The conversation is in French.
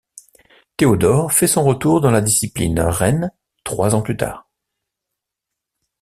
Theodore fait son retour dans la discipline reine trois ans plus tard.